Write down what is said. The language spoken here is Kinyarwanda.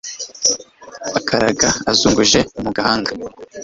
Akaraga azungije mu gahanga